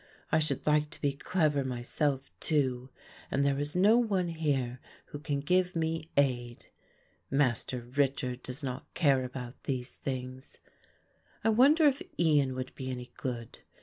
I should like to be clever myself, too, and there is no one here who can give me aid. Master Richard does not care about these things; I wonder if Ian would be any good.